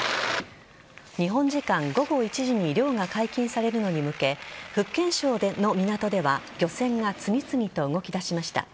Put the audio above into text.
日本時間午後１時に漁が解禁されるのに向け福建省の港では漁船が次々と動き出しました。